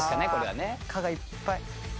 「か」がいっぱい。